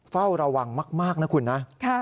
เฝ้าระวังมากนะคุณนะ